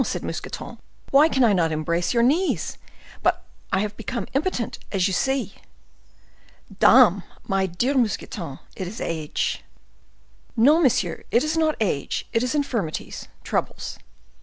said Mousqueton, "why can I not embrace your knees? But I have become impotent, as you see." "Dame! my dear Mousqueton, it is age." "No, monsieur, it is not age; it is infirmities—troubles."